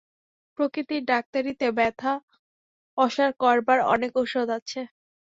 প্রকৃতির ডাক্তারিতে ব্যথা অসাড় করবার অনেক ওষুধ আছে।